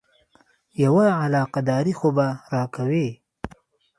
یوه علاقه داري خو به راکوې.